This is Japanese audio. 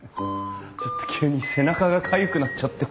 ちょっと急に背中がかゆくなっちゃって。